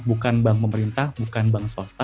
bukan bank pemerintah bukan bank swasta